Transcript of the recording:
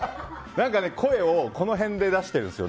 何か声をこの辺で出してるんですよ。